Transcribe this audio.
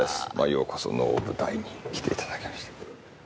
ようこそ能舞台に来ていただきまして。